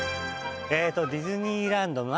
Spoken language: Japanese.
えとディズニーランド